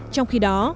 trong khi đó